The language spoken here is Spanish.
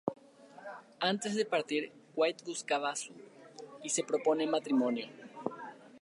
Antes de partir Waite busca a Sue y le propone matrimonio.